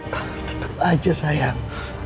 tapi tutup aja sayang